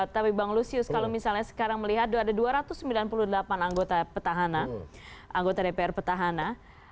tapi bang lusius kalau misalnya sekarang melihat ada dua ratus sembilan puluh delapan anggota petahana anggota dpr petahana